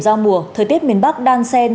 giao mùa thời tiết miền bắc đang sen